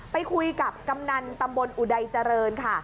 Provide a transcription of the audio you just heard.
ไปคุยกับกำนันตำบลอุดัยเจริญค่ะ